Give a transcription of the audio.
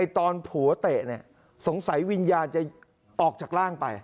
ตอนผัวเตะสงสัยวิญญาณจะออกจากร่างไป